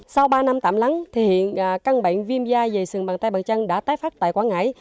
sau ba năm tạm lắng cân bệnh viêm da dày sừng bằng tay bằng chân đã tái phát tại quảng ngãi